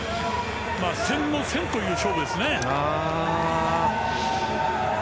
先の先という勝負ですね。